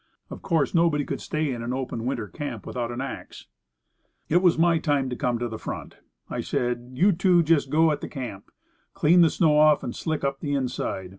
Of course nobody could stay in an open winter camp without an axe. CAMP FIRE AS IT SHOULD BE MADE. It was my time to come to the front. I said: "You two just go at the camp; clean the snow off and slick up the inside.